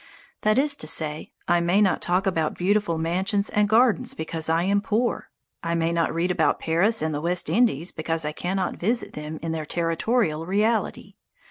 That is to say, I may not talk about beautiful mansions and gardens because I am poor. I may not read about Paris and the West Indies because I cannot visit them in their territorial reality.